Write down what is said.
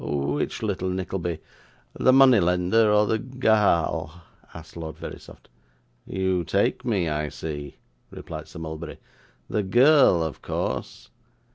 'Which little Nickleby; the money lender or the ga a l?' asked Lord Verisopht. 'You take me, I see,' replied Sir Mulberry. 'The girl, of course.